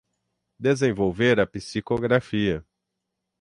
Desenvolver a psicografia